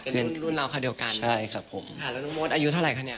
เป็นรุ่นราวคำเดียวกันใช่ครับผมแล้วนุ๊กโมจน์อายุเท่าไหร่ไหม